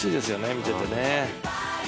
見ていてね。